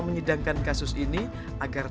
menyidangkan kasus ini agar